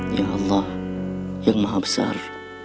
ya allah yang maha besar